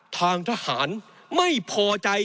ทางทหารไม่พอใจ